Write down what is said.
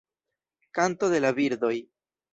Kanto de la birdoj.